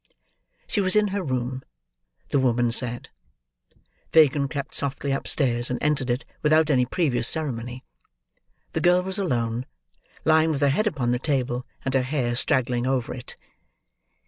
She was in her room, the woman said. Fagin crept softly upstairs, and entered it without any previous ceremony. The girl was alone; lying with her head upon the table, and her hair straggling over it.